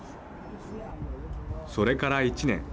それから１年。